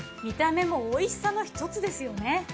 見た目もおいしさのひとつですよね。